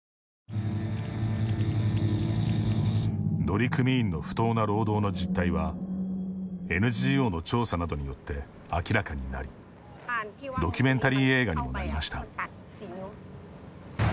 乗組員の不当な労働の実態はＮＧＯの調査などによって明らかになりドキュメンタリー映画にもなりました。